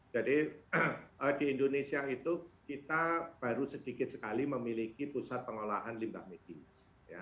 jadi di indonesia itu kita baru sedikit sekali memiliki pusat pengolahan limbah medis